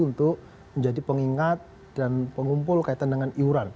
untuk menjadi pengingat dan pengumpul kaitan dengan iuran